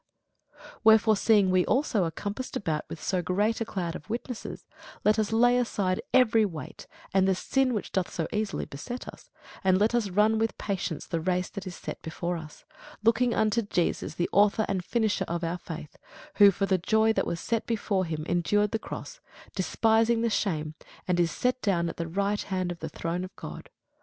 [Sidenote: Hebrews 12] Wherefore seeing we also are compassed about with so great a cloud of witnesses, let us lay aside every weight, and the sin which doth so easily beset us, and let us run with patience the race that is set before us, looking unto Jesus the author and finisher of our faith; who for the joy that was set before him endured the cross, despising the shame, and is set down at the right hand of the throne of God.